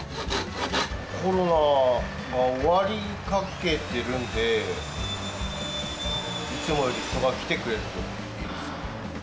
コロナが終わりかけてるんで、いつもより人が来てくれるといいですね。